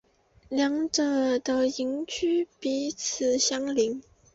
两者的营区彼此相邻。